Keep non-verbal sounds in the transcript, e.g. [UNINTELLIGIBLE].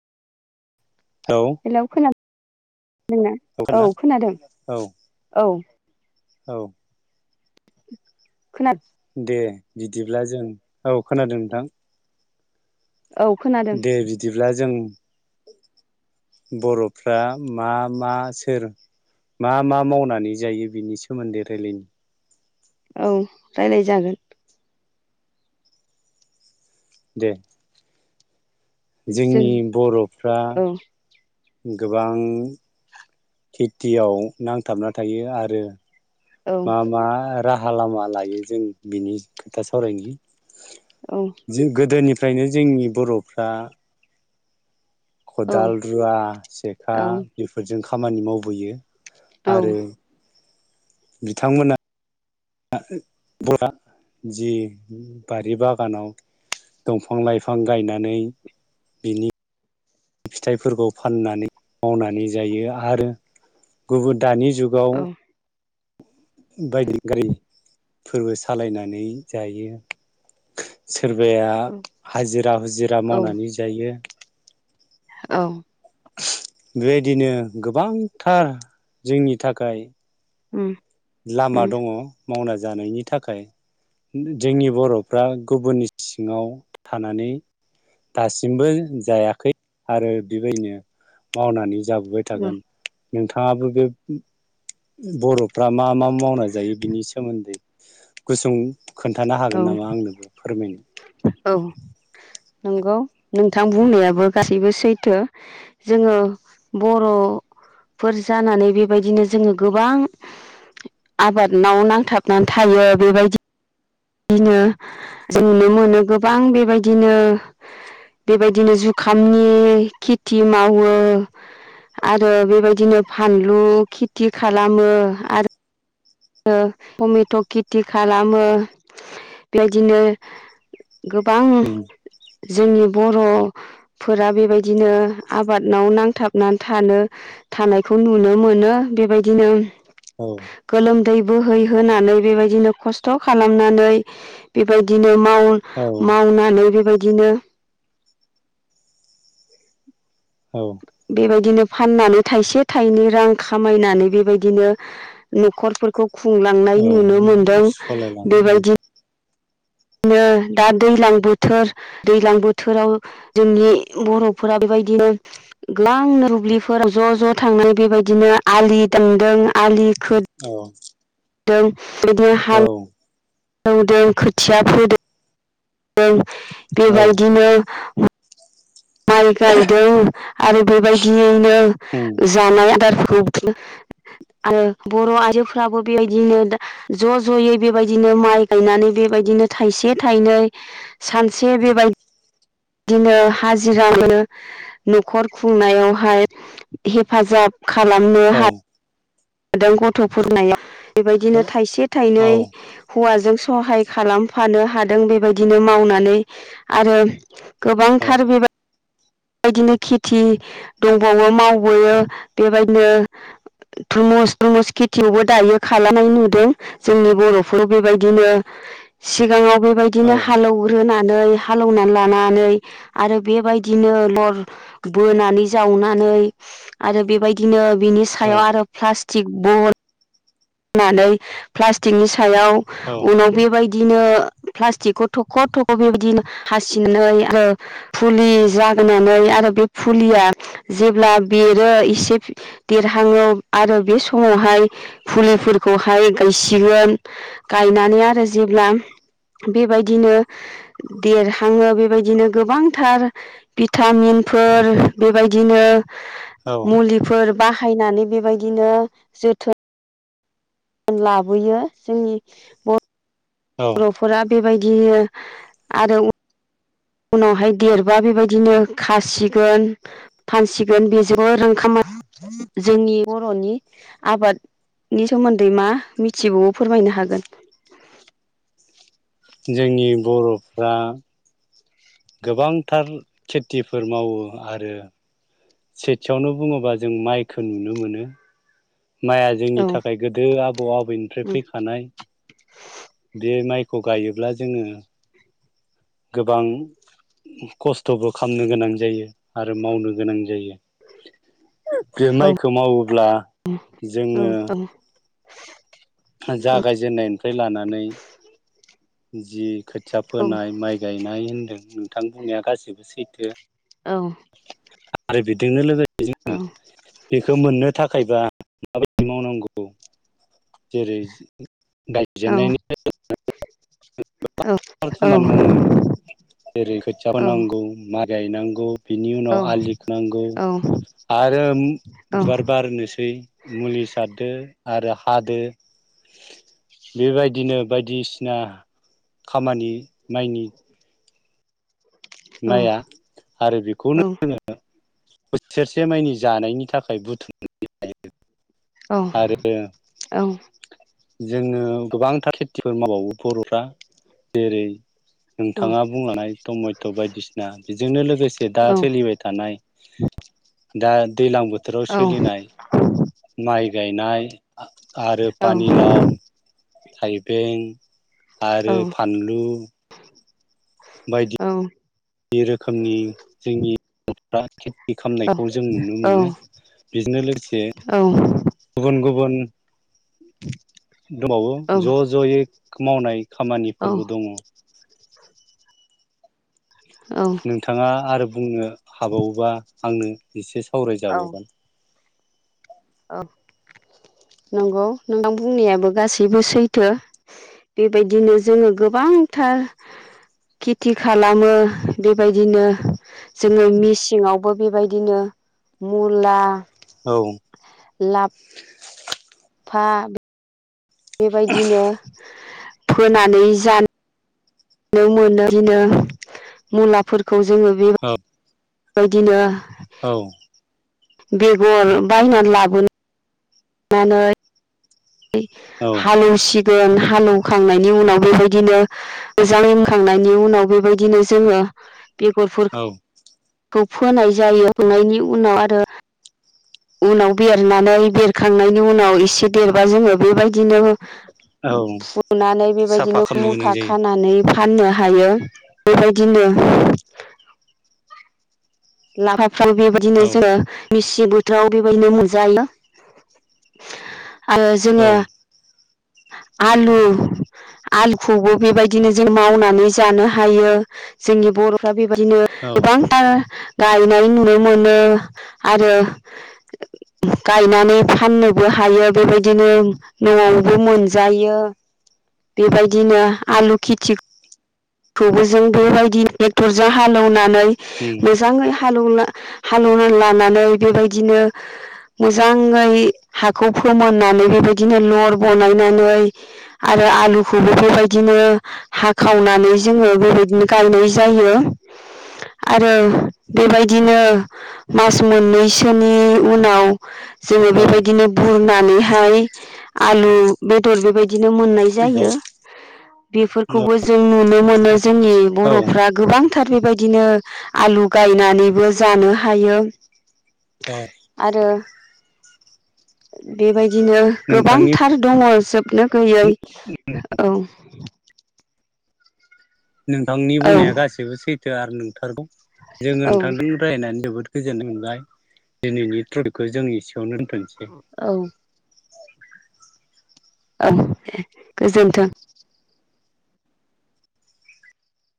औ हेलौ खोना दोंना? औ खोनादों औ औ। औ। खोना दे बिदिब्ला जों औ खोनादों नोंथां। औ खोनादों दे बिदिब्ला जों [INAUDIBLE] बर'फ्रा मा मा सोर मा मा मावनानै जायो बिनि सोमोन्दै रायलायनो औ राय्लाय जागोन दे जों जोंनि बरफ्रा औ गोबां खेथियाव नांथाबना थायो आरो औ मा मा राहा लामा लायो जों बिनि खोथा सावरायनि औ जे गोदोनिफ्राय ओमफ्रायनो जोंनि बर'फ्रा औ खदाल रुवा सेखा औ बेफोरजों खामानि मावबोयो आरो बिथांमोना जि बारि बागानाव दंफां लाइफां गायनानै बिनि फिथाइफोरखौ फाननानै मावनानै जायो आरो गुबुन दानि जुगाव बायदि गारिफोरबो सालायनानै जायो सोरबाया हाजिरा हुजिरा औ मावनानै जायो औ बेबायदिनो गोबांथार जोंनि थाखाय उम लामा उम दंङ मावना जानायनि थाखाय जोंनि बर'फ्रा गुबुननि सिङाव थानानै दासिमबो जायाखै आरो बेबायदिनो मावनानै जाबोबाय औ थागोन नोंथांङाबो बे बरफ फ्रा मा मा मावना जायो बिनि सोमोन्दै गुसुं खोन्थानो हागोन औ औ नामा आंनोबो फोरमायनो नंगौ नोंथां बुंनायाबो गासैबो सैथो जोंङो बर'फोर जानानै बेबायदिनो जोंङो गोबां आबाद माव नांथाबनानै थायो बेबायदि बिदिनो नुनो मोनो गोबां बेबायदिनो बेबायदिनो जुखामनि खेथि मावो आरो बेबायदिनो फानलु खेथि खालामो आरो ओ टमेट' खेथि खालामो बेबायदिनो गोबां जोंनि बर'फोरा बेबायदिनो आबादाव नांथाबनानै थानो थानायखौ नुनो मोनो बेबायदिनो औ गोलोमदै बोहैहोनानै बेबायदिनो खस्थ' खालामनानै बेबायदिनो माउन औ माउनानै बेबाय [UNINTELLIGIBLE] औ बेबायदिनो फाननानै थाइसे थाइनै रां खामायनानै बेबायदिनो न'खरफोरखौ औ खुंलांनाय नुनो मोनदों सालायलाङो बेबायदि ओ दा दैज्लां बोथोर दैज्लां बोथोराव जोंनि बर'फोरा बेबायदिनो गोबां दुब्लिफोराव ज' ज' थांनाय बेबायदिनो आलि दामदों आलि खोदों औ [UNINTELLIGIBLE] बिदिनो औ हाल एवदों खोथिया फोदों ओ औ बेबायदिनो माइ गायदों आरो बेबायदियैनो जानाय आदारफोर आरो बर' आइजोफ्राबो बेबायदिनो ज' ज'यै बेबायदिनो माइ गायनानै बेबायदिनो थाइसे थाइनै सानसे बेबायदिनो हाजिर मोनो न'खर खुंनायावहाय हेफाजाब खालामनो औ हा गथ'फोरनायाव बेबायदिनो थायसे औ थायनै हौवाजों सहाय खालामफानो हादों बेबायदिनो मावनानै आरो गोबां थार बेबा बेबायदिनो खेथि दंबावो मावबोयो बेबायदिनो धुमुस दुमुस खेथियावबो दायो खालामनाय नुदों जोंनि बरफोराव बेबायदिनो सिगाङाव बेबायदिनो हालेवग्रोना नै हालौनानै लानानै आरो बेबायदि बिदिनो लर बोनानै जावनानै आरो बेबायदिनो बिनि सायाव औ आरो प्लास थिगब नानै प्लास्टिकनि स सायाव औ उनाव बेबाय बिदिनो प्लास्टिकखौ थख थख बेबायदिनो हासिनानै आरो फुलि जागोनानै आरो बे फुलिया जेब्ला बेरो एसे देरहङो आरो बे समावहाय फुलिफोरखौहाय गायसिगोन गायनानै आरो जेब्ला बेबायदिनो देरहाङो बेबायदिनो गोबांथार भिटामिनफोर बेबायदिनो औ मुलिफोर बाहायनानै बेबायदिनो जोथो लाबोयो जोंनि बर औ बरफोरा बेबायदिनो आरो उनावहाय देरबा बेबायदिनो खासिगोन फानसिगोन बेजोंबो रोंखाम जोंनि बरनि आबादनि सोमोन्दै मा मिथिबावो फोरमायनो हागोन। जोंनि बरफ्रा गोबांथार खेथिफोर मावो आरो सेथियावनो बुङोबा जों माइखो नुनो मोनो माइआ जोंनि औ थाखाय गोदो आबौ आबैनिफ्राय फैखानाय बे माइ खौ गायोब्ला जोंङो गोबां खस्थबो खामनो गोनां जायो आरो मावनो गोनां जायो। बे औ माइखौ मावोब्ला औ जोङो औ जागायजेननायनिफ्राय लानानै जि खोथिया फोनाय माइ गायनाय होन्दों नोंथां बुंनाया गासि बेबो सैथो औ। बेदिनो लोगो [UNINTELLIGIBLE] औ बेखो मोननो थाखायबा [UNINTELLIGIBLE] मावनांगौ जेरै गायजेननायनि [UNINTELLIGIBLE] औ खामानि मावनाङो जेरै खोथिया होनांगौ मा गायनांगौ [UNINTELLIGIBLE] औ आलि खोनांगौ आरो बिबार बारनोसै मुलि सारदो आरो हादो। बेबायदिनो बायदिसिना खामानि माइनि माइया आरो बेखौनो जोङो बोसोरसे माइनि जानायनि थाखाय बुथुमनो हायो। औ औ। [INAUDIBLE] जोङो गोबांथार खेथिफोर मावबावो बर'फ्रा। जेरै नोंथाङा बुंलांनाय टमेट बायदिसिना बेजोंनो लोगोसे दा सोलिबाय थानाय दा दैलां बोथोराव सोलिनाय माइ गायनाय [INAUDIBLE] आरो औ। [INAUDIBLE] थाइबें आरो फानलु बायदि रोखोमनि जोंनि [UNINTELLIGIBLE] खेथि खामनायखौ जों नुनो मोनो। बेजोंनो लोगोसे गुबुन गुबुन दंबावो ज' ज'यै मावनाय खामानिफोरबो दङ'। [UNINTELLIGIBLE] नोंथाङा आरो बुंनो हाबावोबा आंनो [UNINTELLIGIBLE] सावरायजाबावगोन। औ नंगौ नोंथां बुंनायाबो गासैबो सैथो बेबायदिनो जोङो गोबांथार खिथि खालामो बेबायदिनो जोङो मेसिङावबो बेबायदिनो मुला औ [UNINTELLIGIBLE] [UNINTELLIGIBLE] बेबायदिनो फोनानै जानो मोनो बिदिनो मुलाफोरखौ [UNINTELLIGIBLE] जोङो [UNINTELLIGIBLE] औ बेबायदिनो [UNINTELLIGIBLE] बेगर बायनानै लाबोनो [UNINTELLIGIBLE] औ [UNINTELLIGIBLE] हालौ [UNINTELLIGIBLE] [UNINTELLIGIBLE] हालेवखांनायनि उनाव बेबायदिनो जाखां लोंखांनायनि उनाव बेबायदिनो जोङो बेगरफोर औ [UNINTELLIGIBLE] फोनाय जायो होनोनायनि उनाव आरो उनाव बेरनानै बेरखांनायनि उनाव एसे देरबा जोङो [UNINTELLIGIBLE] औ [UNINTELLIGIBLE] फुनानै साफा बेबायदिनो खालामनो गोनां मुथा जायो खानानै फाननो हायो बेबायदिनो [UNINTELLIGIBLE] [UNINTELLIGIBLE] बेबायदिनो औ जोङो [UNINTELLIGIBLE] [UNINTELLIGIBLE] बोथोराव बेबायदिनो मोनजायो। आरो औ जोङो आलु- आलुखौबो बेबायदिनो जों मावनानै जानो हायो जोंनि बर'फ्रा [UNINTELLIGIBLE] [UNINTELLIGIBLE] औ गोबांटार गायनाय नुनो मोनो आरो गायनानै फाननोबो हायो। बेबायदिनो न'आवबो मोनजायो बेबायदिनो आलु खेथि [UNINTELLIGIBLE] जों बेबायदि ट्रेक्टरजों हालेवनाय उम [UNINTELLIGIBLE] मोजाङै हाल- हालेवनानै लानानै बेबायदिनो मोजाङै हाखौ फोमोननानै बेबायदिनो लर बनायनानै आरो आलुखौबो बेबायदिनो हाखावनानै जोङो बेबायदिनो गायनाय जायो आरो बेबायदिनो मास मोननैसोनि उनाव जोङो औ बेबायदिनो बुरनानैहाय आलु बेदर [UNINTELLIGIBLE] [UNINTELLIGIBLE] मोननाय जायो। बेफोरखौबो जोंनो ब [UNINTELLIGIBLE] जोंनि औ बर'फ्रा गोबांथार बेबायदिनो आलु गायनानैबो जानो हायो औ आरो बेबायदि बिदिनो नोंथांनि गोबांथार दङ नो गैयै औ नोंथांनि औ बुंनाया गासिबो सैथो थो आरो नंथारगौ जोङो औ नोंथांजों रायनानै जोबोद गोजोननाय मोनबाय दिनैनि तपिकखौ जों एसेयावनो दोनथ'नोसै। औ औ गोजोनथों